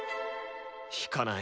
弾かない。